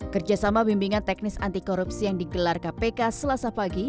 kerjasama bimbingan teknis anti korupsi yang digelar kpk selasa pagi